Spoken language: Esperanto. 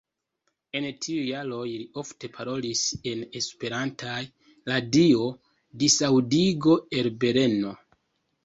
En tiuj jaroj li ofte parolis en esperantaj radio-disaŭdigo el Brno.